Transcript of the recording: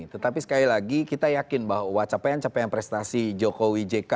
tetapi sekali lagi kita yakin bahwa capaian capaian prestasi jokowi jk